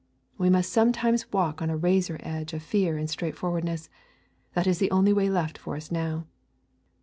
We must sometimes walk on a razor edge of fear and straightforwardness; that is the only way left for us now.